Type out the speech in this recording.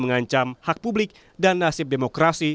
mengancam hak publik dan nasib demokrasi